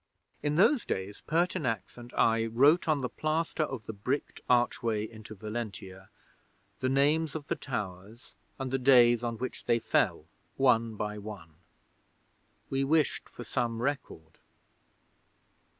'In those days Pertinax and I wrote on the plaster of the bricked archway into Valentia the names of the towers, and the days on which they fell one by one. We wished for some record.